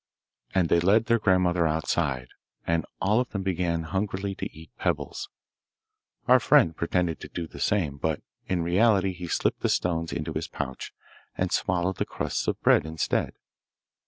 And they led their grandmother outside, and all of them began hungrily to eat pebbles. Our friend pretended to do the same, but in reality he slipped the stones into his pouch, and swallowed the crusts of bread instead.